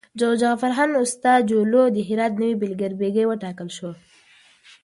جعفرخان استاجلو د هرات نوی بیګلربيګي وټاکل شو.